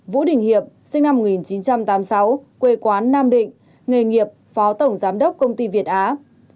vũ đình hiệp sinh năm một nghìn chín trăm tám mươi sáu quê quán nam định nghề nghiệp phó tổng giám đốc công ty việt á